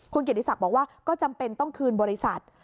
คุณเกียรติศักดิ์บอกว่าก็จำเป็นต้องคืนบริษัท